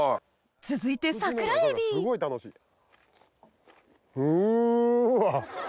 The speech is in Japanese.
続いて桜海老うわ！